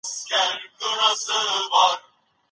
ایا ملي بڼوال ممیز پلوري؟